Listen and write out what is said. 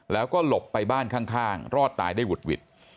แล้วก็หลบไปบ้านข้างรอดตายได้หุดหวิด